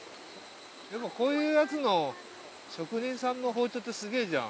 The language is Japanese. でもこういうやつの職人さんの包丁ってすげえじゃん。